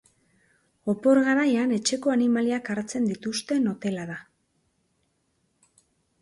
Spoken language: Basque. Opor garaian etxeko animaliak hartzen dituzten hotela da.